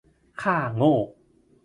ค่าโง่